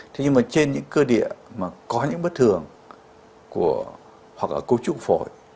thế nhưng mà trên những cơ địa mà có những bất thường hoặc là cấu trúc phổi